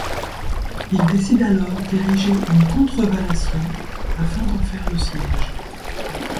Il décide alors d'ériger une contrevallation afin d'en faire le siège.